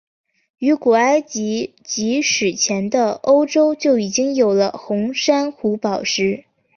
于古埃及及史前的欧洲就已经有红珊瑚宝石。